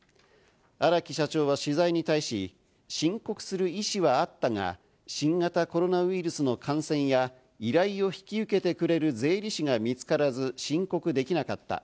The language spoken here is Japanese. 荒木社長は取材に対し、申告する意思はあったが、新型コロナウイルスの感染や、依頼を引き受けてくれる税理士が見つからず申告できなかった。